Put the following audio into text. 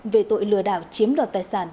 về tội lừa đảo chiếm đoạt tài sản